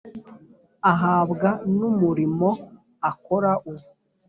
ahabwa n'umurimo akora ubu.